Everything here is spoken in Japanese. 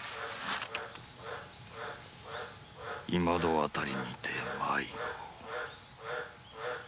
今戸辺りにて迷子。